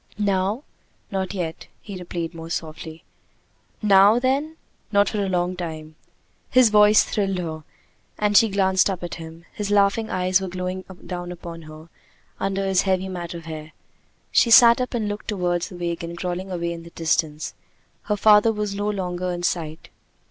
"Now?" "Not yet," he repeated more softly. "Now, then?" "Not for a long time." His voice thrilled her, and she glanced up at him. His laughing eyes were glowing down upon her under his heavy mat of hair. She sat up and looked toward the wagon crawling away in the distance; her father was no longer in sight.